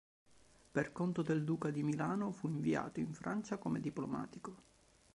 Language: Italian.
Per conto del duca di Milano fu inviato in Francia come diplomatico.